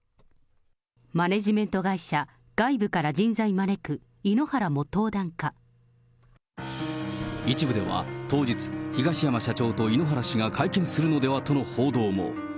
マネジメント会社、外部から人材招く、一部では当日、東山社長と井ノ原氏が会見するのではとの報道も。